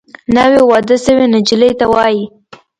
ناوې واده شوې نجلۍ ته وايي